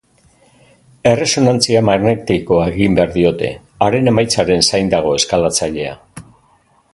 Erresonantzia magnetikoa egin behar diote, haren emaitzaren zain dago eskalatzailea.